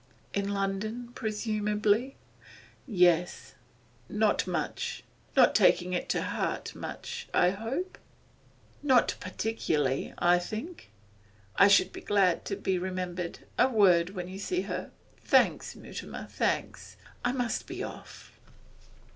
'In London, presumably?' 'Yes.' 'Not much not taking it to heart much, I hope?' 'Not particularly? I think.' 'I should be glad to be remembered a word when you see her. Thanks, Mutimer, thanks. I must be off.